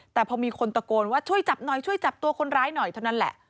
แต่พอมีคนตะโกนว่าช่วยจับหน่อยช่วยจับตัวคนร้ายหน่อยเท่านั้นแหละ